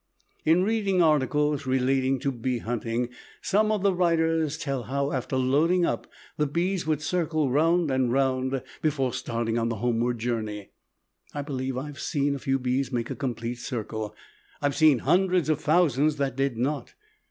In reading articles relating to bee hunting, some of the writers tell how, after loading up, the bees would circle round and round before starting on the homeward journey. I believe I have seen a few bees make a complete circle. I have seen hundreds of thousands that did not.